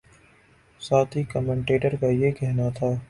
ساتھی کمنٹیٹر کا یہ کہنا تھا